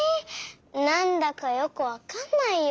なんだかよくわかんないよ。